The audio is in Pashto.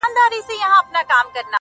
حروف د ساز له سوره ووتل سرکښه سوله’